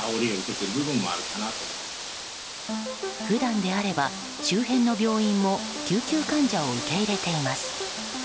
普段であれば、周辺の病院も救急患者を受け入れています。